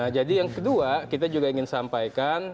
jadi yang kedua kita juga ingin sampaikan